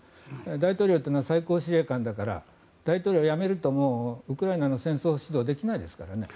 大統領というのは最高司令官だから大統領を辞めるともうウクライナの戦争指導ができないですからね。